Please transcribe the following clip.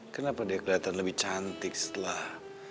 kenapa dia kelihatan lebih cantik setelah